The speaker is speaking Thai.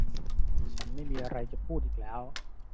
ฉันไม่มีอะไรจะพูดอีกแล้ว